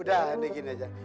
udah deh gini aja